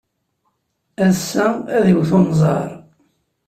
Ass-a, ad d-iwet unẓar.